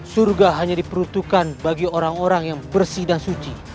surga hanya diperuntukkan bagi orang orang yang bersih dan suci